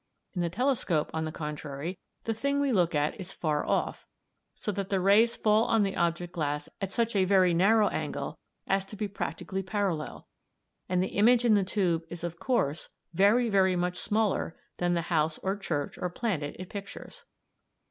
In the telescope, on the contrary, the thing we look at is far off, so that the rays fall on the object glass at such a very narrow angle as to be practically parallel, and the image in the tube is of course very, very much smaller than the house, or church, or planet it pictures.